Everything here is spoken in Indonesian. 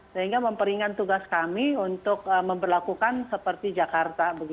sehingga memperingat tugas kami untuk memperlakukan seperti jakarta